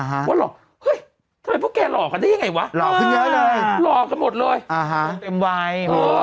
ตัวเต็มไว้